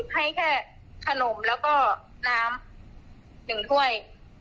ให้แค่ขนมแล้วก็น้ำ๑ถ้วย